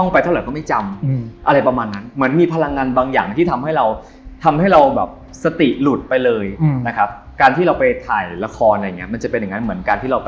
ไปตึกเก่าเป็นบางเก่าอาจจะมีคนตายอยู่ก็ว่าได้เนี่ยครับ